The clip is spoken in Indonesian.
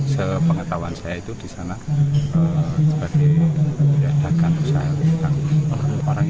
sepengetahuan saya itu di sana sebagai diadakan usaha wisata